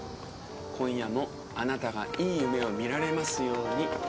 今夜もあなたがいい夢を見られますように。